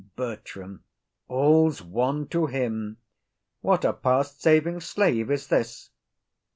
BERTRAM. All's one to him. What a past saving slave is this!